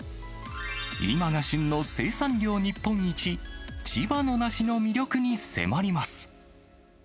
今が旬の生産量日本一、千葉の梨の魅力に迫ります。